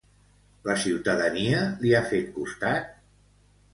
La ciutadania li ha fet costat?